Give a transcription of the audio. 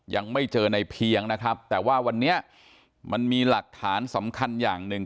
ยังไม่เจอในเพียงนะครับแต่ว่าวันนี้มันมีหลักฐานสำคัญอย่างหนึ่ง